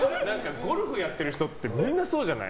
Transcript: ゴルフやってる人ってみんなそうじゃない？